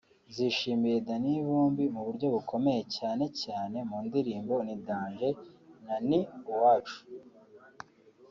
zishimiye Danny Vumbi mu buryo bukomeye cyane cyane mu ndirimbo ‘Ni Danger’ na ‘Ni uwacu’